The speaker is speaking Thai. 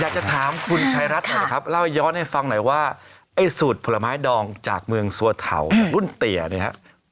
อยากจะถามคุณชายรัฐหน่อยนะครับเล่าย้อนให้ฟังหน่อยว่าไอ้สูตรผลไม้ดองจากเมืองสัวเถารุ่นเตี๋ยเนี่ยฮะ